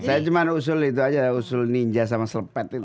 saya cuma usul itu aja usul ninja sama selepet itu